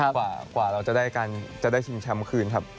กว่าเราจะได้ชิงแชมป์คืนครับ